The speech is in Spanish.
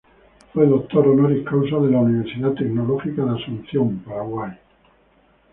Fue Doctor honoris causa de la Universidad Tecnológica de Asunción de Paraguay.